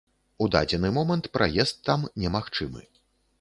У дадзены момант праезд там немагчымы.